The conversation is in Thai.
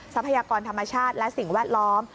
ทรัพยากรธรรมชาติและสิ่งแวดล้อม